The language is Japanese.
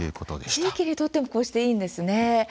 地域にとってもこうして、いいんですね。